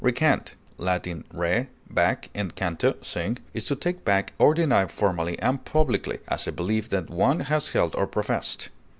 Recant (L. re, back, and canto, sing) is to take back or deny formally and publicly, as a belief that one has held or professed.